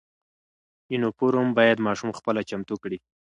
یونیفرم باید ماشوم خپله چمتو کړي.